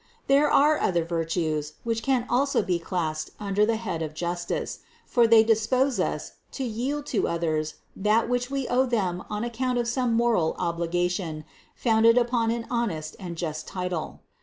564. There are other virtues, which can also be classed under the head of justice; for they dispose us to yield to others that which we owe them on account of some moral obligation, founded upon an honest and just title.